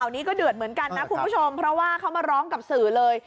อันนี้ก็เดือดเหมือนกันนะคุณผู้ชมเพราะว่าเขามาร้องกับสื่อเลย